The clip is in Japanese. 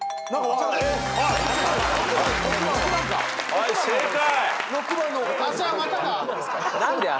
はい正解。